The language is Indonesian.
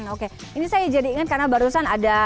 oke ini saya jadi ingat karena barusan ada